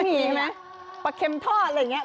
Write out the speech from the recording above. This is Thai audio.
ไม่มีไหมปะเข็มทอดอะไรอย่างนี้